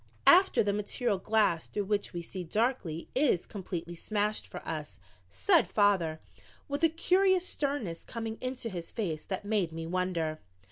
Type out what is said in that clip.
"After the material glass through which we see darkly is completely smashed for us," said father, with a curious sternness coming into his face that made me wonder.